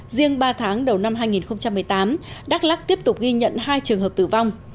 riêng ba tháng đầu năm hai nghìn một mươi tám đắk lắc tiếp tục ghi nhận hai trường hợp tử vong